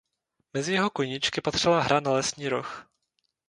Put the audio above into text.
Mezi jeho koníčky patřila hra na lesní roh.